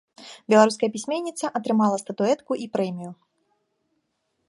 Беларуская пісьменніца атрымала статуэтку і прэмію.